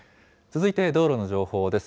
続いて道路の情報です。